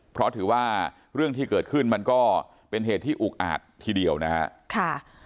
เพราะถือว่าเรื่องที่เกิดขึ้นมันก็เป็นเหตุที่อุกอาจทีเดียวนะครับ